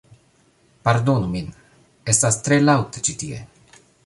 Pardonu min estas tre laŭte ĉi tie